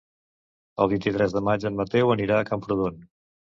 El vint-i-tres de maig en Mateu anirà a Camprodon.